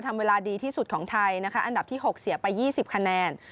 ทำเวลาดีที่สุดของไทยนะคะอันดับที่๖เสียไป๒๐คะแนน